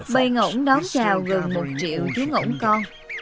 bây ngỗng đóng trào gần một triệu chú ngỗng con